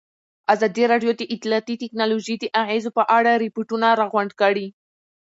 ازادي راډیو د اطلاعاتی تکنالوژي د اغېزو په اړه ریپوټونه راغونډ کړي.